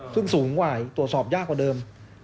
ตรวจสอบยากกว่าเดิม